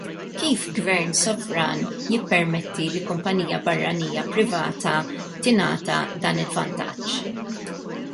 Kif Gvern sovran jippermetti li kumpanija barranija privata tingħata dan il-vantaġġ?